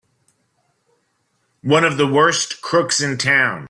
One of the worst crooks in town!